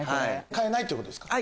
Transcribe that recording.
変えないってことですか？